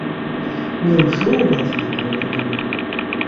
Няўжо ў вас такога няма?